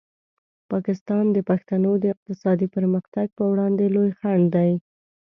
پاکستان د پښتنو د اقتصادي پرمختګ په وړاندې لوی خنډ دی.